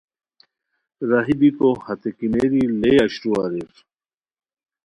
راہی بیکو ہتے کیمیری لئے اشرو اریر